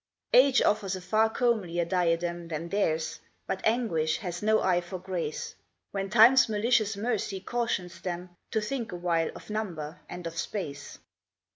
Age offers a far comelier diadem Than theirs; but anguish has no eye for grace, When time's malicious mercy cautions them To think a while of number and of space.